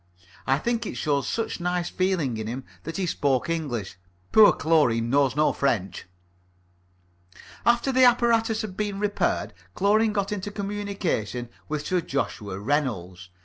I think it showed such nice feeling in him that he spoke English. Poor Chlorine knows no French. After the apparatus had been repaired, Chlorine got into communication with Sir Joshua Reynolds.